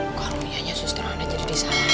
kok harunianya suster anak jadi disana gini pamanik